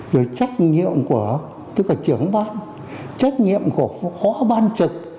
rồi trách nhiệm của tức là trưởng ban trách nhiệm của phó ban trực